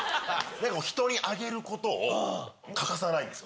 人にあげることを欠かさないんですよね。